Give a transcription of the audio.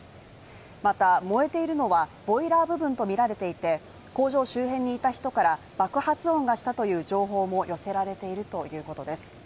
また、燃えているのはボイラー部分とみられていて工場周辺にいた人から爆発音がしたとの情報も寄せられていると言うことです。